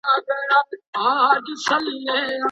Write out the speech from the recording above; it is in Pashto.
ولي لېواله انسان د پوه سړي په پرتله ژر بریالی کېږي؟